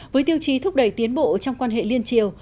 với tiêu chí thúc đẩy tiến bộ trong quan hệ liên triều